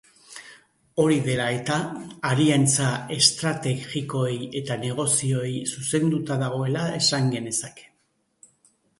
Hori dela eta, aliantza estrategikoei eta negozioei zuzenduta dagoela esan genezake.